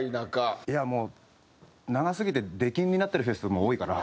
いやもう長すぎて出禁になってるフェスも多いから。